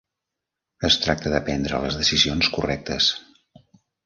Es tracta de prendre les decisions correctes.